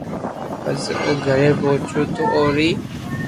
پسي او گھري پوچيو تو اوري